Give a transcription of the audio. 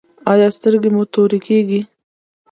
ایا سترګې مو تورې کیږي؟